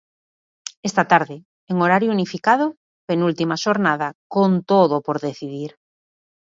Esta tarde, en horario unificado, penúltima xornada con todo por decidir.